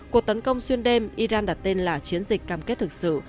cuộc tấn công xuyên đêm iran đặt tên là chiến dịch cam kết thực sự